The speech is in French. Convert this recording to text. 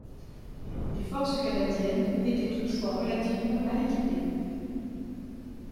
Les forces canadiennes étaient toutefois relativement mal équipés.